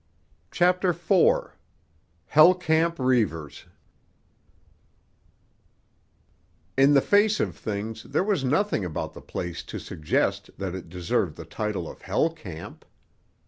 CHAPTER IV—"HELL CAMP" REIVERS In the face of things there was nothing about the place to suggest that it deserved the title of Hell Camp.